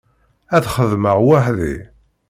Ad xedmeɣ weḥd-i.